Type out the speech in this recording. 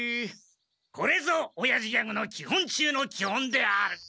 これぞおやじギャグの基本中の基本である！